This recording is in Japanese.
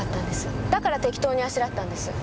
だから適当にあしらったんです。